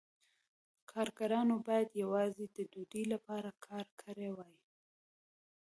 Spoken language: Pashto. کارګرانو باید یوازې د دوی لپاره کار کړی وای